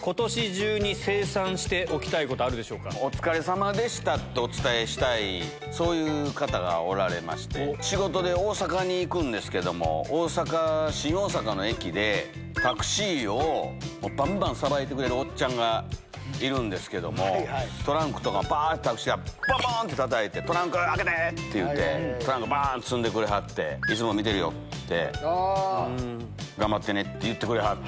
ことし中に清算しておきたいこと、お疲れさまでしたってお伝えしたい、そういう方がおられまして、仕事で大阪に行くんですけども、大阪、新大阪の駅で、タクシーをばんばんさばいてくれるおっちゃんがいるんですけども、トランクとか、ぱーってあけてばんばんってたたいて、トランク開けてって言って、トランクばん積んでくれはって、いつも見てるよって、頑張ってねって言ってくれはって。